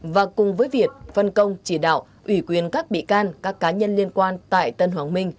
và cùng với việt phân công chỉ đạo ủy quyền các bị can các cá nhân liên quan tại tân hoàng minh